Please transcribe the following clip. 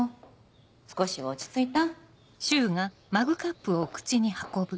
少しは落ち着いた？